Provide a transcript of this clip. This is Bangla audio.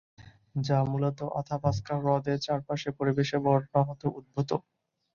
যা মূলত আথাবাস্কা হ্রদের চারপাশের পরিবেশের বর্ণনা হতে উদ্ভূত।